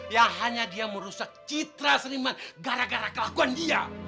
ya hanya dia merusak citra seniman gara gara kelakuan dia